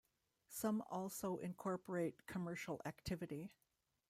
Some also incorporate commercial activity.